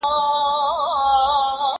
زه له سهاره کتابونه لوستل کوم؟!